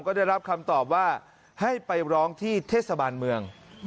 ก็ได้รับคำตอบว่าให้ไปร้องที่เทศบาลเมือง